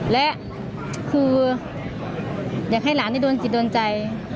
และคืออยากให้หลานได้โดนจิตโดนใจ